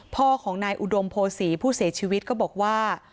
พ่อของนายอุดมโพศีผู้เสียชีวิตก็บอกว่า